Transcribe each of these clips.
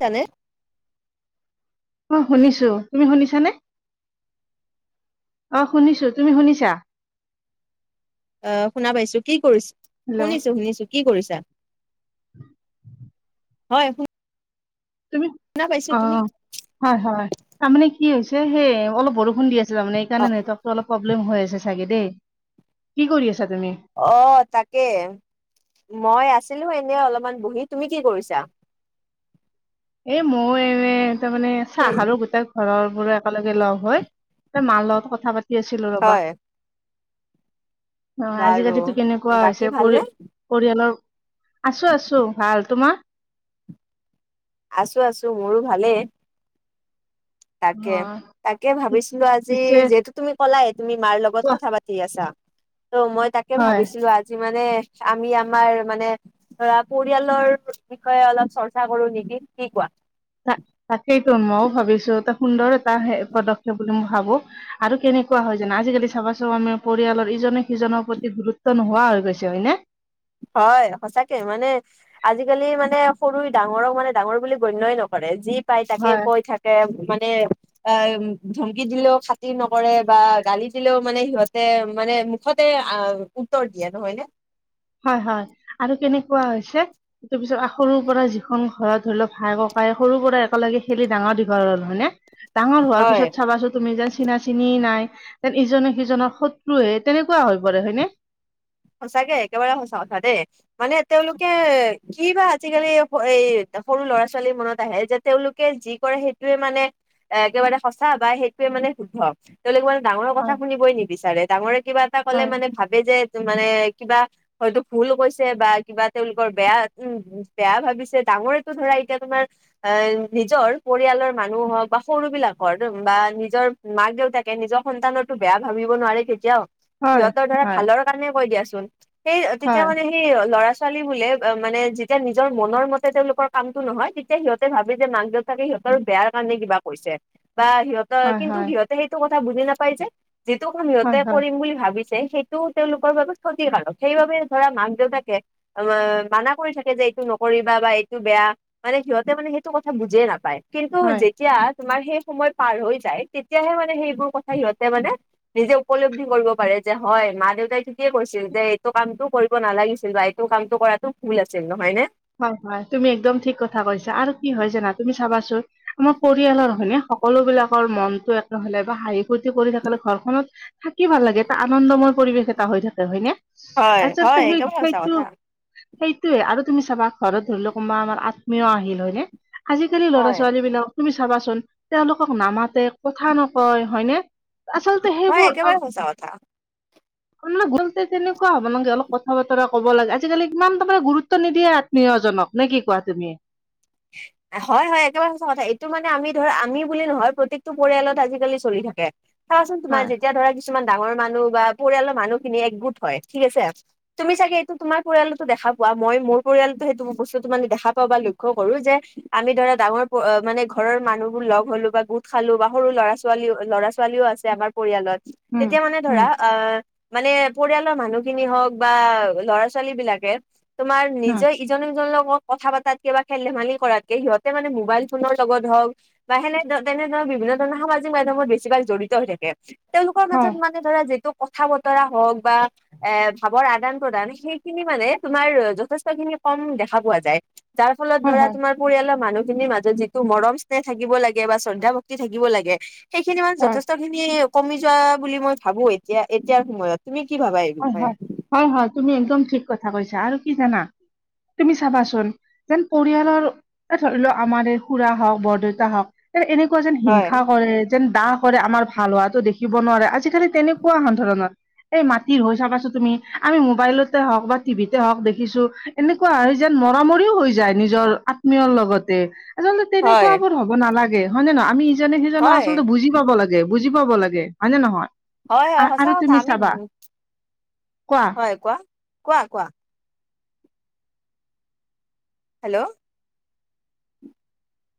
জানে অ শুনিছো, তুমি শুনিছানে? অ শুনিছো, তুমি শুনিছা? আহ শুনা পাইছো, কি কৰিছ, হেল্ল' শুনিছো শুনিছো কি কৰিছা? [inaudible] হয়। তুমি, শুনা পাইছো অ তুমি হয় হয় তাৰমানে কি হৈছে সেই অলপ বৰষুণ দি আছে। ছিল মানে অ এইকাৰণে নেটৱৰ্কটো অলপ প্ৰব্লেম হৈ আছে চাগে দেই, কি কৰি আছা তুমি? অ তাকে। মই আছিলো এনে অলপমান বহি, তুমি কি কৰিছা? এ ময়ো এ তাৰমানে চাহ শুনি খালো গোটে- ঘৰৰ বোৰো একেলগে লগ হৈ, তে মাৰ লগত কথা পাতি আছিলো ৰবা। হয় অঁ বাৰু আজিকালিতো কেনেকোৱা বাকী হৈছে ভালনে পৰি পৰিয়ালৰ আছো আছো ভাল তোমাৰ। আছো আছো মোৰো ভালেই। অ তাকে তাকে ভাবিছিলো আজি পিছে যিহেতু- তুমি কলাই তুমি মাৰ লগত কোৱা কথা পাতি আছা, ত' মই তাকে হয় ভাবিছিলো আজি মানে আমি আমাৰ মানে- ধৰা পৰিয়ালৰ বিষয়ে অলপ চৰ্চা কৰো নেকি, কি কোৱা? তা তাকেইতো মইও ভাবিছো এটা সুন্দৰ এটা পদক্ষেপ বুলি মই ভাবো। আৰু কেনেকোৱা হয় জানা আজিকালি চাবা চোন আমি পৰিয়ালৰ ইজনে সিজনৰ প্ৰতি গুৰুত্ব নোহোৱা হৈ গৈছে হয়নে। হয় সঁচাকে মানে। আজিকালি মানে সৰুৱে ডাঙৰক মানে ডাঙৰ বুলি গণ্যই নকৰে যি পায় তাকে হয় কৈ থা কে মানে অ ধমকি দিলেও খাতি নকৰে বা গালি দিলেও মানে সিহঁতে মানে মুঠতে আ উত্তৰ দিয়ে নহয় নে হয় হয় আৰু কেনেকোৱা হৈছে তাৰ পিছত সৰুৰ পৰা যিখন ঘৰত ধৰি লওঁক ভাই ককাই সৰুৰ পৰা একেলগে খেলি ডাঙৰ দীঘল হ'ল হয়নে ডাঙৰ হোৱাৰ হয় পিছত চাবা চোন তুমি যেন চিনা চিনি নাই যেন ইজনে সিজনৰ শত্ৰু হে তেনেকোৱা হৈ পৰে হয়নে সঁচাকে একেবাৰে সঁচা কথা দেই মানে তেওঁলোকে কি বা আজিকালি এই সৰু ল'ৰা ছোৱালীৰ মনত আহে যে তেওঁলোকে যি কৰে সেইটোৱে মানে একেবাৰে সঁচা বা সেইটোৱে মানে শুদ্ধ তেওঁলোকে মানে ডাঙৰ কথা হয় শুনিবই নিবিচাৰে ডাঙৰে কিবা এটা কলে হয় মানে ভাবে যে এইটো মানে কিবা হয়তো ভুল কৈছে বা কিবা তেওঁলোকৰ বেয়া উম বেয়া ভাবিছে ডাঙৰেটো ধৰা এতিয়া তোমাৰ এ নিজৰ পৰিয়ালৰ মানুহ হওক বা সৰু বিলাকৰ বা নিজৰ মাক দেউতাকে নিজৰ সন্তানৰতো বেয়া ভাবিব নোৱাৰে কেতিয়াও হয় সিহঁতৰ ধৰা হয় ভালৰ কাৰণে কয় দিয়াচোন সেই তেতিয়া হয় মানে সেই ল'ৰা ছোৱালী বোলে মানে যেতিয়া নিজৰ মনৰ মতে তেওঁলোকৰ কামটো নহয় তেতিয়া সিহতে ভাবে যে মাক দেউ তাকে সিহঁতৰ বেয়াৰ কাৰণে কিবা কৈছে বা সিহঁত অ কিন্তু হয় সিহঁতে সেইটো কথা বুজি নাপায় যে যিটো কাম সিহঁতে হয় হয় হয় কৰিম বুলি ভাবিছে সেইটো তেওঁলোকৰ বাবে ক্ষতিকাৰক সেইবাবে ধৰা মাক দেউতাকে মানা কৰি থাকে যে এইটো নকৰিবা বা এইটো বেয়া মানে সিহঁতে মানে সেইটো কথা বুজিয়ে নাপায় কিন্তু হয় যেতিয়া তোমাৰ সেই সময় পাৰ হৈ যায়, তেতিয়াহে মানে সেইবোৰ কথা সিহঁতে মানে নিজে উপলব্ধি কৰিব পাৰে যে হয় মা দেউতাই থিকে কৈছিল যে এইটো কামটো কৰি ব নালাগিছিল বা এইটো কামটো কৰাটো ভুল আছিল নহয় নে? হয়, হয় তুমি একদম ঠিক কথা কৈছা আৰু কি হয় জানা তুমি চাবাচোন আমাৰ পৰিয়ালৰ হয়নে সকলো বিলাকৰ মনটো একে হলে বা হাঁহি ফূৰ্তি কৰি থাকিলে ঘৰখনত থাকি ভাল লাগে এটা আনন্দময় পৰিৱেশ এটা হৈ থাকে হয়নে হয় আচলতে হয় সেই একেবাৰে সঁচা সেইটো কথা। সেইটোয়ে আৰু তুমি চাবা ঘৰত ধৰি লও কোনোবা আমাৰ আত্মীয় আহিল হয়নে আজিকালি ল'ৰা হয় ছোৱালী বিলাও তুমি চাবাচোন তেওঁলোকক নামাতে কথা নকয় হয়নে আচল হয় একেবাৰে সঁচা কথা মানে গলতেজ [unintelligible] তেনেকোৱা হ'ব লাগে অলপ কথা বতৰা কব লাগে আজিকালি ইমান তাৰমানে গুৰুত্ব নিদিয়ে আত্মীয়জনক নে কি কোৱা তুমি? [unintelligible] হয় হয় একেবাৰে সঁচা কথা এইটো মানে আমি ধৰা আমি বুলি নহয় প্ৰত্যেকটো পৰিয়ালত আজিকালি চলি থাকে। চাওচোন তোমাৰ হয়। যেতিয়া ধৰা কিছুমান ডাঙৰ মানুহ বা পৰিয়ালৰ মানুহখিনি একগোট হয় ঠিক আছে? তুমি চাগে এইটো তোমাৰ পৰিয়ালতো দেখা পোৱা, মই মোৰ পৰিয়ালটো সেইটো বস্তুতো‌ মানে দেখা পাওঁ বা লক্ষ্য কৰো যে আমি ধৰা ডাঙৰ মানে ঘৰৰ মানুহ বোৰ লগ হ'লো বা গোট খালো বা সৰু ল'ৰা -ছোৱালীও ল'ৰা ছোৱালীও আ ছে আমাৰ পৰিয়ালত, তেতিয়া মানে ধৰা আহ মানে পৰিয়ালৰ মানুহ খিনি হওক বা ল'ৰা -ছোৱালী বিলাকে তোমাৰ নিজৰ ইজনৰ সিজনৰ লগত কথা পাতাতকে বা খেল- ধেমালি কৰাতকে সিহঁতে মানে মোবাইল ফোনৰ লগত হওক, বা সেনে তেনেধৰণৰ বিভিন্ন ধৰণৰ সামাজিক মাধ্যমত বেছিভাগ জড়িত হৈ থাকে, তেওঁলোকৰ হয়, মাজত মানে ধৰা যিটো কথা বতৰা হওক বা এ ভাৱৰ আদান -প্ৰদান সেইখিনি মানে তোমাৰ যথেষ্ট খিনি কম দেখা পোৱা যায়। যাৰ ফলত হয় ধৰা হয়, তোমাৰ পৰিয়ালৰ মানুহখিনিৰ মাজত যিটো মৰম স্নেহ থাকিব লাগে বা শ্ৰদ্ধা ভক্তি থাকিব লাগে। সেইখিনি মান হয়, যথেষ্টখিনি কমি যোৱা বুলি মই ভাবো এতিয়া এতিয়াৰ সময়ত। তুমি কি ভাবা এই হয় বিষয়ে? হয়। হয়, হয় তুমি একদম ঠিক কথা কৈছা আৰু কি জানা? তুমি চাবাচোন যেন পৰিয়ালৰ এ ধৰি লোৱা আমাৰ এই খুৰা হওক, বৰদউতা হওক এনেকুৱা যেন হয় হিংসা কৰে। যেন দাহ কৰে আমাৰ ভাল হোৱাতটো দেখিব নোৱাৰে, আজিকালি তেনেকুৱা সাধাৰণত। এই মাত- হৈ চাবাছো তুমি আমি মোবাইলতে হওক বা টি ভিতে হওক দেখিছো এনেকুৱা হয় যেন মৰামৰিও হৈ যায় নিজৰ আত্মীয়ৰ লগতে। আচলতে হয় তেনেকুৱাবোৰ হ'ব নালাগে হয় নে নহয়? আমি ইজনে সিজনক হয় আচলতে বুজি পাব লাগে, বুজি পাব লাগে হয়নে নহয়? হয় হয় সঁচা আৰু কথা তুমি আমিত চাবা কোৱা? হয় কোৱা? কোৱা, কোৱা? হেল্ল'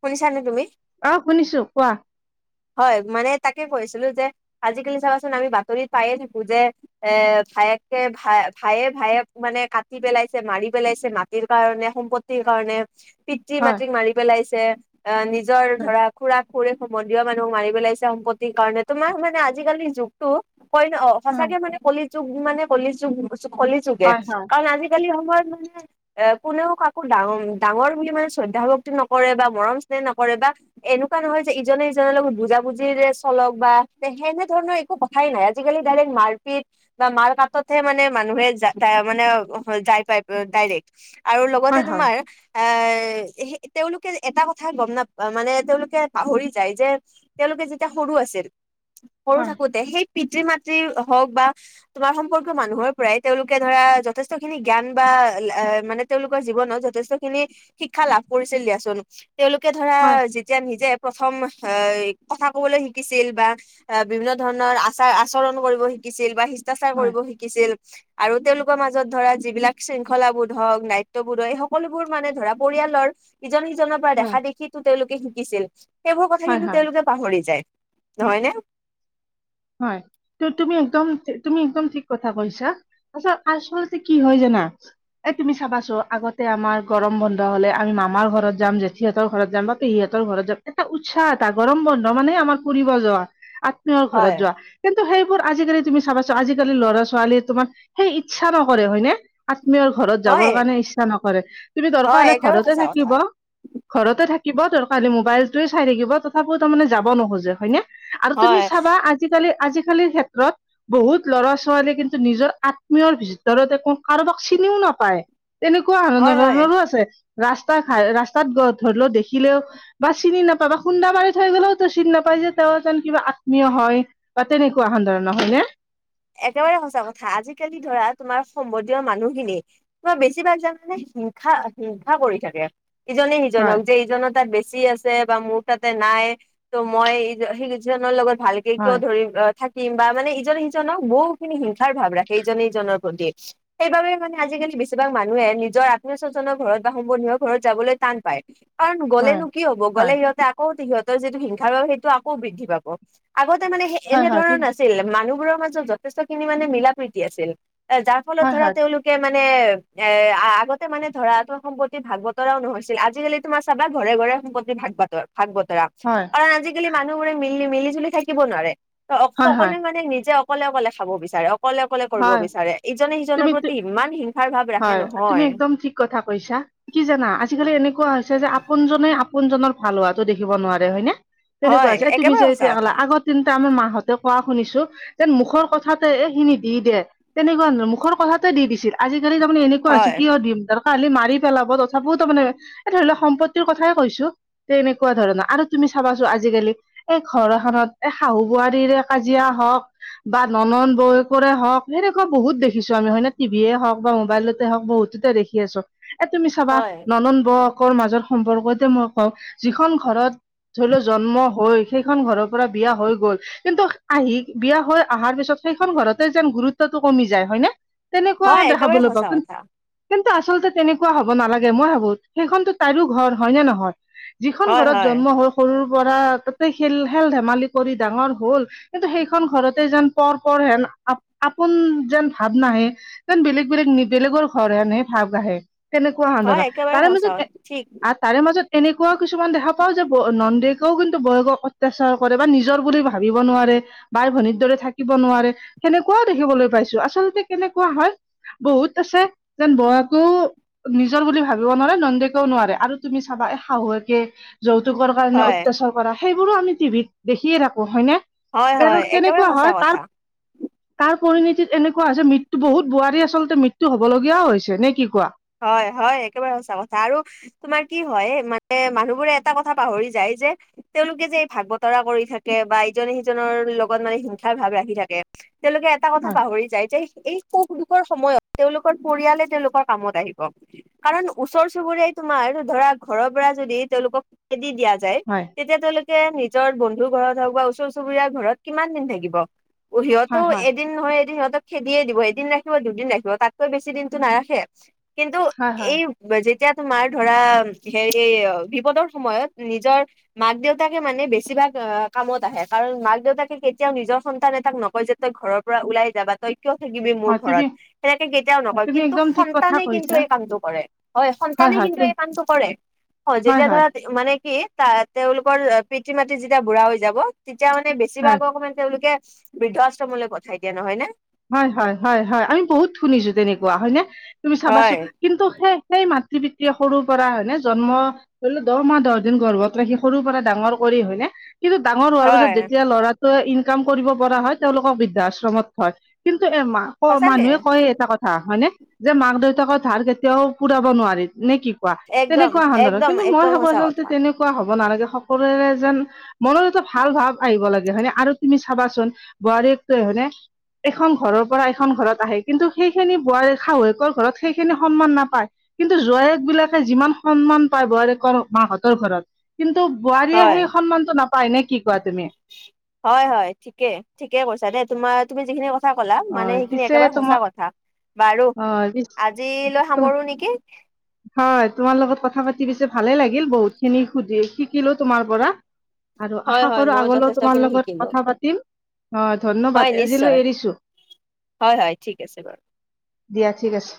শুনিছা নে তুমি? অ শুনিছো কোৱা? হয় মানে তাকে কৈছিলো যে আজিকালি চাবাচোন আমি বাতৰিত পায়ে থাকো যে এ ভায়েকে ভাই ভায়ে -ভায়েক মানে কাটি পেলাইছে, মাৰি পেলাইছে, মাটিৰ কাৰণে, সম্পত্ত- ত্তি কাৰণে পিতৃ হয় -মাতৃক মাৰি পেলাইছে, অ নিজৰ ধৰা খুৰা খুৰেক সম- ধীয় মানুহ মাৰি পেলাইছে সম্পত্তিৰ কাৰণে তোমাৰ মানে আজিকালিৰ যুগতটো কই অ হয় সঁচাকে মানে কলিযোগ মানে, কলিযোগ কলিযোগে হয় হয় কাৰণ আজিকালি সময়ত মানে এ কোনেও কাকো ডাঙ ডাঙৰ বুলি মানে শ্ৰদ্ধা- ভক্তি নকৰে বা মৰম -স্নেহ নকৰে বা এনেকুৱা নহয় যে ইজ- ইজনে সিজনৰ লগত বুজা বুজিৰে চলক বা সেনেধৰণৰ একো কথাই নাই, আজিকালি ডাইৰেক্ট মাৰপিট বা মাৰ কাতহে মানে মানুহে মানে যাই পায়গৈ ডাইৰেক্ট। আৰু লগতে হয় হয় হয় তোমাৰ এ সে তেওঁলোকে এটা কথা গম নাপা মানে তেওঁলোকে পাহৰি যাই যে তেওঁলোকে যেতিয়া সৰু আছিল, সৰু হয় থাকোতে সেইট- পিতৃ -মাতৃ হওক বা তোমাৰ সম্পৰ্কীয় মানুহৰ পৰাই তেওঁলোকে ধৰা যথেষ্ট খিনি জ্ঞান বা মানে তেওঁলোকৰ জীৱনত যথেষ্ট খিনি শিক্ষা লাভ কৰিছিল দিয়াচোন। তেওঁলোকে ধৰা হয়, যেতিয়া নিজে প্ৰথম আহ কথা কবলৈ শিকিছিল বা আহ বিভিন্ন ধৰণৰ আচাৰ -আচৰণ কৰিব শিকিছিল বা শিষ্টাচাৰ হয়, কৰিব শিকিছিল আৰু তেওঁলোকৰ মাজত ধৰা যিবিলাক শৃংখলাবোধ হওক, নাই'ত বোধ হয় এই সকলোবোৰ মানে ধৰা পৰিয়ালৰ ইজনে সিজনপ হয়, দেখা দেখিতো তেওঁলোকে শিকিছিল সেইবোৰ কথা হয়, কিন্তু হয়, তেওঁলোকে পাহৰি যায় নহয় নে? হয় তু তুমি একদম তুমি একদম ঠিক কথা কৈছা। আচ্ছা আচলতে কি হয় জানা এই তুমি চাবাচো আগতে আমাৰ গৰম বন্ধ হলে আমি মামাৰ ঘৰত যাম জেঠিহঁতৰ ঘৰত যাম বা সিহঁতৰ ঘৰত যাম এটা উৎসাহ এটা গৰম বন্ধ মানে আমাৰ ফুৰিব যোৱা। আত্মীয় ঘৰত হয় যোৱা কিন্তু সেইবোৰ আজিকালি তুমি চাবাছো আজিকালি ল'ৰা ছোৱালীয়ে তোমাৰ সেই ইচ্ছা নকৰে হয়নে। আত্মীয়ৰ ঘৰত হয় যাবৰ কাৰণে ইচ্ছা নকৰে তুমি দৰকাৰ হয় হলে একেবাৰে ঘৰতে সঁচা কথা থাকিব। ঘৰতে থাকিব ত মোবাইলটোৱে চাই থাকিব তথাপিও তাৰমানে যাব নোখোজে হয়নে আৰু তুমি হয় চাবা আজিকালি আজিকালিৰ ক্ষেত্ৰত বহুত লৰা ছোৱালীয়ে কিন্তু নিজৰ আত্মীয়ৰ ভিতৰত একো কাৰোবাক চিনিও নাপায়। তেনেকুৱা ন ন হয় হয় ৰো আছে ৰাস্তাই ৰাস্তাত ধৰি ল দেখিলেও বা চিনি নাপায় বা খুন্দা মাৰি থৈ গ'লেওতো চিনি নাপাই যে তেওঁ এজন কিবা আত- আত্মীয় হয় বা তেনেকুৱা ধৰণৰ হয় নে একেবাৰে সঁচা কথা আজিকালি ধৰা তোমাৰ সম্বন্ধীয় মানুহখিনি বেছিভাগ জানানে হিংসা হিংসা কৰি থাকে ইজনে হয় সিজনক যে ইজনৰ তাত বেছি আছে বা মোৰ তাতে নাই ত' মই সেইজনৰ লগত ভাল কিয় হয় ধৰিম থাকিম বা মানে ইজনে সিজনক বহু খিনি হিংসাৰ ভাৱ ৰাখে ইজনে সিজনৰ প্ৰতি। সেইবাবে মানে আজিকালি বেছিভাগ মানুহে নিজৰ আত্মীয় স্বজনৰ ঘৰত বা সম্বন্ধীয় ঘৰত যাবলৈ টান পায়। কাৰণ হয় গ'লেনো কি হ'ব গ'লে হয় সিহঁতে আকৌ সিহঁতৰ যিটো হিংসাৰ ভাব সেইটো আকৌ বৃদ্ধি পাব আগতে মানে হয় হয় এনেধৰণৰ নাছিল মানুহবোৰৰ মাজত যথেষ্ট খিনি মানে মিলা প্ৰতি আছিল যাৰ ফলত হয় ধৰা হয় তেওঁলোক মানে এ আগতে মানে ধৰাটো সম্পত্তি ভাগ বতৰাও নহৈছিল আজিকালি তোমাৰ চাবা ঘৰে ঘৰে সম্পত্তি ভাগ বাতৰ ভাগ বতৰা হয় কাৰণ আজিকালি মানুহবোৰে মিল মিলি জুলি থাকিব নোৱাৰে ত হয় হয় সকলোৱে মানে নিজক অকলে অকলে খাব বিচাৰে অকলে অকলে কৰিব হয় বিচাৰে ইজনে সিজনৰ তুমি প্ৰতি ইমান হিংসা হয় তুমি একদম ঠিক কথা কৈছা কি জানা আজিকালি এনেকুৱা হৈছে যে আপোনজনে আপোনজনৰ ভাল হোৱাতো দেখিব নোৱাৰে হয়নে তেনেকুৱা হয় হৈছে এ তুমি একেবাৰে যে সঁচা এতিয়া কলা কথা আগৰ দিনত আমাৰ মাহঁতে কোৱা শুনিছোঁ। যেন মুখৰ কথাতে এইখিনি দি দে তেনেকোৱা মুখৰ কথাতে দি দিছিল আজি- আজিকালি তাৰমানে এনেকুৱা হৈছে হয়। কিয় দিম খালি মাৰি পেলাব তথাপিওঁ তাৰ মানে এই ধৰি লক সম্পত্তিৰ কথাই কৈছোঁ। তেনেকোৱা ধৰণৰ আৰু তুমি চাবাচোন আজিকালি এই ঘৰ এখনত এই শাহু বোৱাৰীৰে কাজিয়া হওঁক বা নন্দন বৌয়েকৰ হওঁক সেনেকোৱা বহুত দেখিছোঁ আমি হয়নে টিভিয়ে হওঁক বা মোবাইলতে হওঁক বহুততে দেখি আছোঁ এ তুমি চাবা হয় নন্দন বৌ কৰ মাজৰ সম্পৰ্কতে মই কওঁ যিখন ঘৰত ধৰি লও জন্ম হৈ সেইখন ঘৰৰ পৰা বিয়া হৈ গ'ল। কিন্তু আহি বিয়া হৈ অহাৰ পিছত সেইখন ঘৰতে যেন গুৰুত্বটো কমি যায় হয় নে। তেনেকুৱা হয় একেবাৰে দেখাবলৈ সঁচা পাব কথা কিন্তু আচলতে তেনেকুৱা হ'ব নালাগে মই ভাবোঁ সেইখনতো তাইৰো ঘৰ হয় নে নহয়। যিখন হয় ঘৰত হয় জন্ম হৈ সৰুৰ পৰা তাতে খেল খেল ধেমালি কৰি ডাঙৰ হ'ল কিন্তু সেইখন ঘৰতে যেন পৰ পৰ হেন আপোন যেন ভাৱ নাহে যেন বেলেগ। বেলেগ বেলেগৰ ঘৰনে ভাৱ আহে তেনেকোৱা হয় ধৰা একেবাৰে তাৰে সঁচা মাজত ঠিক তাৰে মাজত এনেকুৱাও কিছুমান দেখা পাওঁ যে নন্দেকেও কিন্তু বৌয়েকক অত্যাচাৰ কৰে বা নিজৰ বুলি ভাবিব নোৱাৰে বাই ভনীৰ দৰে থাকিব নোৱাৰে সেনেকোৱাও দেখিবলৈ পাইছোঁ আচলতে কেনেকুৱা হয়। বহুত আছে যেন বৌয়েকো। নিজৰ বুলি ভাবিব নোৱাৰে নন্দেকেও নোৱাৰে আৰু তুমি চাবা শাহুৱেকে যৌতুকৰ কাৰণে হয়। অত্যাচাৰ কৰা সেইবোৰো আমি টিভিত দেখিয়ে থাকোঁ হয়নে। হয় হয় তেহেতৰ একেবাৰে কেনেকুৱা সঁচা হয় কথা তাৰ তাৰ পৰিণীতিত এনেকুৱা হৈছে মৃত্যু বহুত বোৱাৰী আচলতে মৃত্যু হবলগীয়াও হৈছে নে কি কোৱা। হয় হয় একেবাৰে সঁচা কথা আৰু। তোমাৰ কি হয় মানে মানুহবোৰে এটা কথা পাহৰি যায় যে। তেওঁলোকে যে এই ভাগ বতৰা কৰি থাকে বা ইজনে সিজনৰ লগত মানে হিংসাৰ ভাৱ ৰাখি থাকে। তেওঁলোকে এটা কথা পাহৰি যায় যে এই সুখ দুখৰ সময়ত তেওঁলোকৰ পৰিয়ালে তেওঁলোকৰ কামত আহিব। কাৰণ ওচৰ চুবুুৰীয়াই তোমাৰ ধৰা ঘৰৰ পৰা যদি তেওলোকক খেদি দিয়া যায় হয় তেতিয়া তেওঁলোকে নিজৰ বন্ধু ঘৰত হওঁক বা ওচৰ চুবুৰীয়াৰ ঘৰত কিমান দিন থাকিব। সিহঁতও হয় হয় হয় এদিন নহয় এদিন সিহঁত খেদিয়ে দিব এদিন ৰাখিব দুদিন ৰাখিব তাতকৈ বেছি দিনটো নাৰাখে। কিন্তু হয় হয় এই যেতিয়া তোমাৰ ধৰা হেৰি বিপদৰ সময়ত নিজৰ মাক দেউতাকে মানে বেছিভাগ কামত আহে কাৰণ মাক দেউতাকে কেতিয়াও নিজৰ সন্তান এটাক নকয় যে তই ঘৰৰ ওলাই যাবা তই কিয় থাকিবি মোৰ হয় তুমি ঘৰত সেনেকে কেতিয়াও নকয় তুমি কিন্তু একদম ঠিক কথা সন্তানে কিন্তু কৈছা এই কামটো কৰে হয় সন্তানে হয় কিন্তু এই তুম- কামটো কৰে হয় যেতিয়া ধৰা, মানে কি তা তেওঁলোকৰ পিতৃ মাতৃ যেতিয়া বুঢ়া হৈ যাব। তেতিয়া মানে হয় বেছিভাগ অকণমান তেওঁলোকে বৃদ্ধাশ্ৰমলৈ পঠাই দিয়ে নহয় নে। হয় হয় হয় হয় আমি বহুত শুনিছোঁ তেনেকুৱা হয় নে তুমি হয় চাবাচোন। কিন্তু সেই সেই মাতৃ পিতৃয়ে সৰুৰ পৰা হয়নে জন্ম ধৰিল দহ মাহ দহ দিন গৰ্ভত ৰাখি সৰুৰ পৰা ডাঙৰ কৰি হয়নে। কিন্তু ডাঙৰ হোৱাৰ পিছত হয় যেতিয়া লৰাটোৱে ইনকাম কৰিব পৰা হয় তেওঁলোক বৃদ্ধাশ্ৰমত থয়। কিন্তু এ মাকক সঁচাকে মানুহে কয় এটা কথা, হা হয়নে যে মাক দেউতাকৰ ধাৰ কেতিয়াও পুৰাব নোৱাৰি নে কি। একদম তেনেকুৱা সন্ধাৰত একদম কিন্তু মই একদম ভাবোঁ সঁচা আচলতে কথা তেনেকুৱা হব নালাগে সকলোৰে যেন, মনত এটা ভাল ভাৱ আহিব লাগে হয়নে আৰু তুমি চাবাচোন বোৱাৰীকটোৱ হয়নে। এখন ঘৰৰ পৰা এখন ঘৰত আহে কিন্তু সেইখিনি বোৱাৰ শাহুৱেকৰ ঘৰত সেইখিনি সন্মান নাপায়। কিন্তু জোৱায়েক বিলাকে যিমান সন্মান পায় বোৱাৰেকৰ মাকহঁতৰ ঘৰত। কিন্তু বোৱাৰীয়ে হয় সেই সন্মানতটো নাপায় নে কি কোৱা তুমি। হয় হয় ঠিকে ঠিকে কৈছা দেই তোমাৰ তুমি যিখিনি কথা, সঁচা কলা মানে হয় সেইখিনি পিছে একেবাৰে সঁচা তোমাৰ কথা বাৰু হয় পিছ আজিলৈ তুম- সামৰো নেকি। হয় তোমাৰ লগত কথা পাতি পিছে ভালে লাগিল বহুত খিনি সুধি শিকিলো তোমাৰ পৰা। আৰু হয় আশা হয় কৰো ময়ো আগলৈও তোমাৰ যথেষ্টখিনি লগত শিকিলো কথা পাতিম অ হয় ধন্যবাদ আজিলৈ নিশ্চয় এৰিছো। হয় হয় ঠিক আছে বাৰু দিয়া ঠিক আছে।